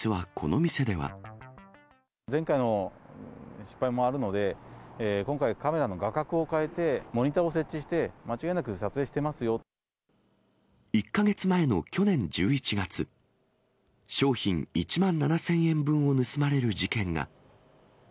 前回の失敗もあるので、今回、カメラの画角を変えて、モニターを設置して、間違いなく撮影して１か月前の去年１１月、商品１万７０００円分を盗まれる事件が。